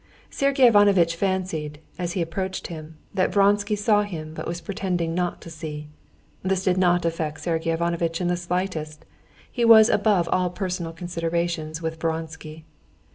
Sergey Ivanovitch fancied, as he approached him, that Vronsky saw him but was pretending not to see. This did not affect Sergey Ivanovitch in the slightest. He was above all personal considerations with Vronsky.